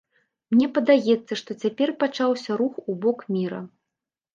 Мне падаецца, што цяпер пачаўся рух у бок міра.